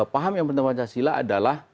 paham yang benar pancasila adalah